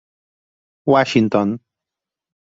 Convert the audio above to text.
Washington.